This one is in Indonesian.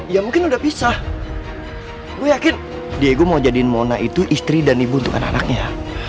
ya mungkin udah pisah gue yakin diego mau jadiin mona itu istri dan ibu untuk anak anaknya